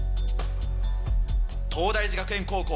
東大寺学園高校